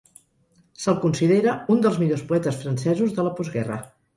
Se'l considera un dels millors poetes francesos de la postguerra.